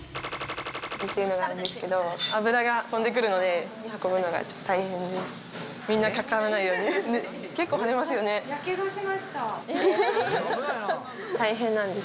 なんですけど、油が飛んでくるので運ぶのが、ちょっと大変です。